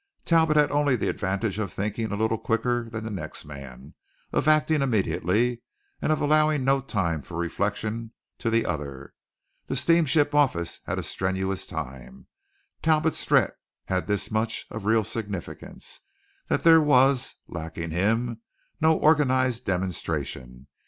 Talbot had only the advantage of thinking a little quicker than the next man, of acting immediately, and of allowing no time for reflection to the other. The steamship office had a strenuous time. Talbot's threat had this much of real significance: that there was, lacking him, no organized demonstration.